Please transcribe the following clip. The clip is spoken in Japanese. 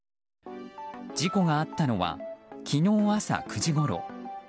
事故があったのは昨日朝９時ごろ。